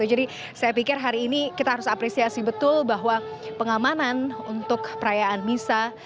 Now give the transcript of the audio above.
jadi saya pikir hari ini kita harus apresiasi betul bahwa pengamanan untuk perayaan misa